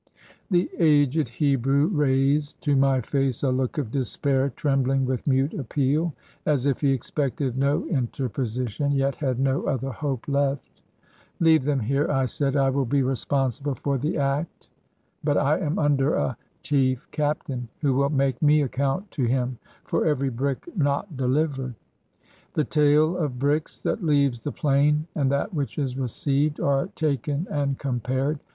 The aged Hebrew raised to my face a look of despair trembling with mute appeal, as if he expected no inter position, yet had no other hope left. "Leave them here," I said. "I will be responsible for the act." "But I am under a chief captain who will make me account to him for every brick not delivered. The tale of bricks that leaves the plain and that which is received are taken and compared.